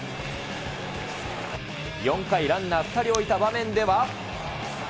４回、ランナー２人置いた場面では。